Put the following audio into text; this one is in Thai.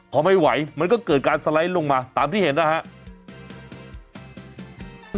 พอไม่ไหวมันก็เกิดการสไลด์ลงมาตามที่เห็นนะครับ